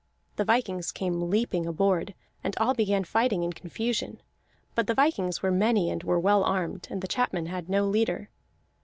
The vikings came leaping aboard, and all began fighting in confusion; but the vikings were many and were well armed, and the chapmen had no leader.